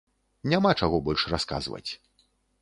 Няма чаго больш расказваць.